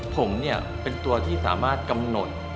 ผมเนี่ยเป็นตัวที่สามารถกำหนด